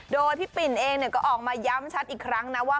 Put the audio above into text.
โดยพี่ปิ่นเองก็ออกมาย้ำชัดอีกครั้งนะว่า